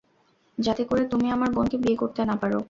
যাতে করে তুমি আমার বোনকে বিয়ে করতে না পার।